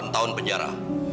delapan tahun penjara